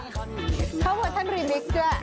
ชอบวันทันลี่ลิคด้วย